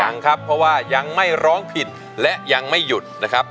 ยังครับเพราะว่ายังไม่ร้องผิดและยังไม่หยุดนะครับ